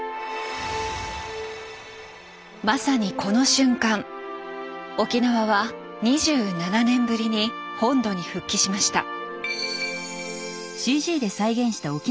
まさにこの瞬間沖縄は２７年ぶりに本土に復帰しました。